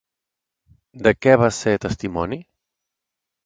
De què va ser testimoni?